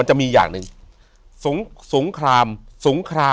อยู่ที่แม่ศรีวิรัยิลครับ